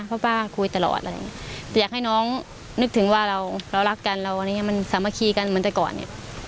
เพราะป้าคุยตลอดอะไรอย่างนี้อยากให้น้องนึกถึงว่าเราเรารักกันเราอะไรอย่างเงี้มันสามัคคีกันเหมือนแต่ก่อนเนี่ย